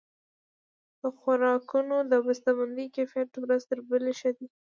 د خوراکونو د بسته بندۍ کیفیت ورځ تر بلې ښه کیږي.